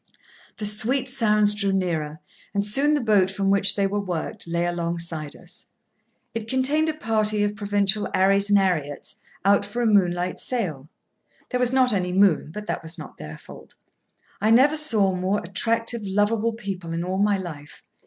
The sweet sounds drew nearer, and soon the boat from which they were worked lay alongside us. It contained a party of provincial 'Arrys and 'Arriets, out for a moonlight sail. (There was not any moon, but that was not their fault.) I never saw more attractive, lovable people in all my life.